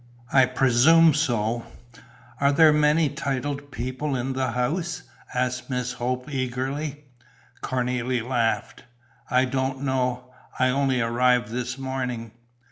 "I presume so." "Are there many titled people in the house?" asked Miss Hope, eagerly. Cornélie laughed: "I don't know. I only arrived this morning."